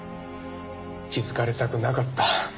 気づかれたくなかった。